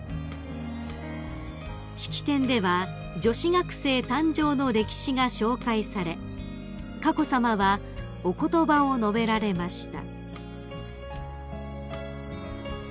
［式典では女子学生誕生の歴史が紹介され佳子さまはお言葉を述べられました］